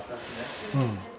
うん。